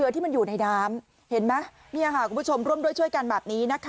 ที่มันอยู่ในดามเห็นมั้ยเนี่ยค่ะคุณผู้ชมร่วมด้วยช่วยกันแบบ